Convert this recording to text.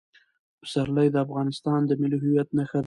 پسرلی د افغانستان د ملي هویت نښه ده.